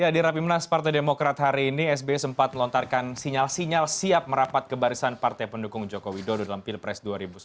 di rapimnas partai demokrat hari ini sbi sempat melontarkan sinyal sinyal siap merapat ke barisan partai pendukung jokowi dodo dalam pilpres dua ribu sembilan belas